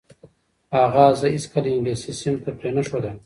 اغا زه هیڅکله انګلیسي صنف ته پرې نه ښودلم.